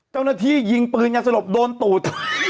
เจ้าหน้าที่ยิงปืนกันสลบโดนตูด